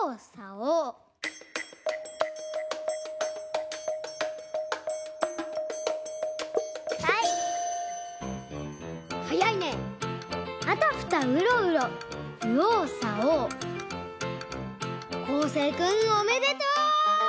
おめでとう！